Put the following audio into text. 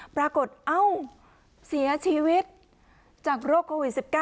เอ้าเสียชีวิตจากโรคโควิด๑๙